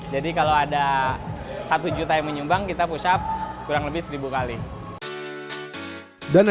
jadi kalau ada satu juta yang menyumbang kita push up kurang lebih seribu kali dana